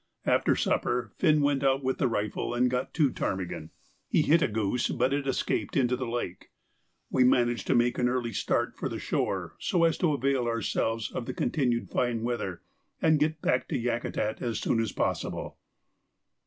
After supper Finn went out with the rifle and got two ptarmigan. He hit a goose, but it escaped into the lake. We decided to make an early start for the shore, so as to avail ourselves of the continued fine weather and get back to Yakutat as soon as possible.